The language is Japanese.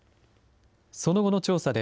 その後の調査で、